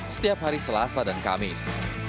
setiap hari selasa dan kamis